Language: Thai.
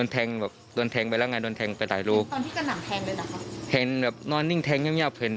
แต่น็อตกลับห้างเขาก็ไม่ถูกกันอยู่แล้ว